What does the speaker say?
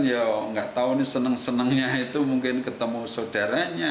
ya nggak tahu nih seneng senengnya itu mungkin ketemu saudaranya